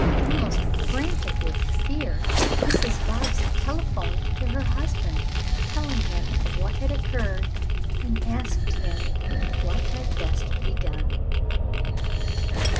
Almost frantic with fear, Mrs. Bobbsey telephoned to her husband, telling him of what had occurred and asked him what had best be done.